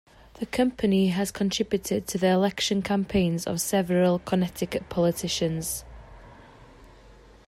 The company has contributed to the election campaigns of several Connecticut politicians.